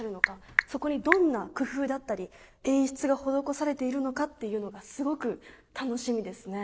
そこにどんな工夫だったり演出が施されているのかっていうのがすごく楽しみですね。